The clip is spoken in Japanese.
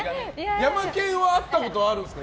ヤマケンは会ったことあるんですか？